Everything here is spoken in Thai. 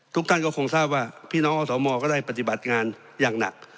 ทุกท่านก็คงทราบว่าพี่น้องอสมก็ได้ปฏิบัติงานอย่างหนัก